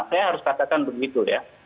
saya harus katakan begitu ya